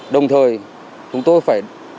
đồng thời chúng tôi phải